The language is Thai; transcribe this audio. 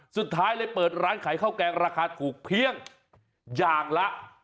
สุดท้ายเลยเปิดร้านขายข้าวแกงราคาถูกเพียงอย่างละ